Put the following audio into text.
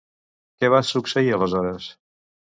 Què va succeir aleshores?